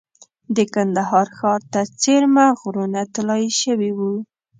د کندهار ښار ته څېرمه غرونه طلایي شوي وو.